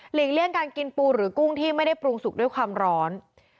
เลี่ยงการกินปูหรือกุ้งที่ไม่ได้ปรุงสุกด้วยความร้อน